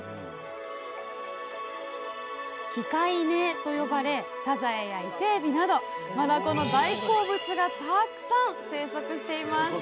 器械根と呼ばれサザエやイセエビなどマダコの大好物がたくさん生息しています。